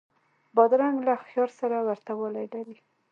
بادرنګ له خیار سره ورته والی لري.